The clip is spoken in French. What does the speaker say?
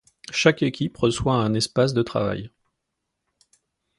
Chaque équipe reçoit un espace de travail.